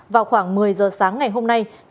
vào khoảng một mươi giờ sáng ngày hôm nay